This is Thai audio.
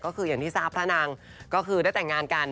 ก็คืออย่างที่ทราบพระนางก็คือได้แต่งงานกัน